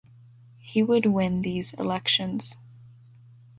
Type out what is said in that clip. He would win these elections.